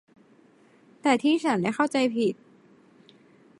แต่ที่ฉันได้เข้าใจผิด